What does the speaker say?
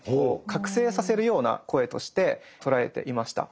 覚醒させるような声として捉えていました。